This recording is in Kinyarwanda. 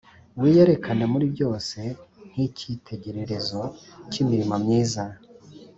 wiyerekane muri byose nk’icyitegererezo cy’imirimo myiza